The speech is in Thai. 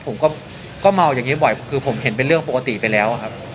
ผมก็เมาอย่างนี้บ่อยคือผมเห็นเป็นเรื่องปกติไปแล้วครับ